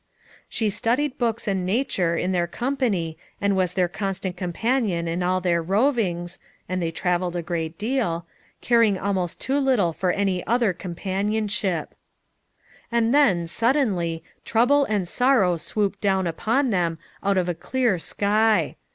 She studied books and Na ture in their company and was their constant companion in all their rovings — and they trav eled a great deal — caring almost too little for any other companionship. FOUR MOTHERS AT CHAUTAUQUA 121 And then, suddenly, trouble and sorrow swooped down upon tliem out of a clear sky.